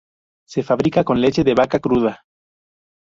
Se fabrica con leche de vaca cruda.